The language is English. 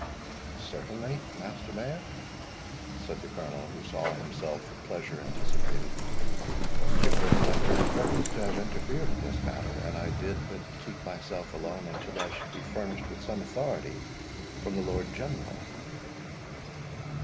"Certainly, Master Mayor," said the Colonel, who saw himself with pleasure anticipated; "it was my very purpose to have interfered in this matter; and I did but keep myself alone until I should be furnished with some authority from the Lord General."